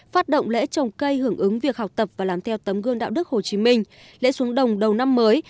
phát động lễ trồng cây hưởng ứng việc học tập và làm theo tấm gương đạo đức hồ chí minh lễ xuống đồng đầu năm mới